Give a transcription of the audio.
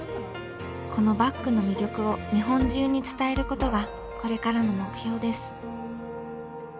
このバッグの魅力を日本中に伝えることがこれからの目標です。